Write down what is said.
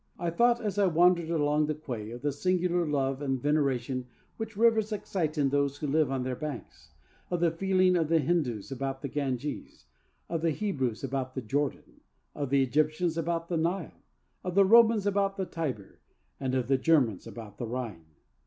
I thought, as I wandered along the quay, of the singular love and veneration which rivers excite in those who live on their banks; of the feeling of the Hindus about the Ganges, of the Hebrews about the Jordan, of the Egyptians about the Nile, of the Romans about the Tiber, and of the Germans about the Rhine.